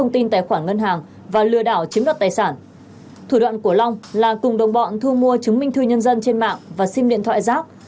thủ đoạn của long là cùng đồng bọn thu mua chứng minh thư nhân dân trên mạng và sim điện thoại rác